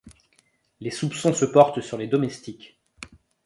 Les soupçons se portent sur les domestiques.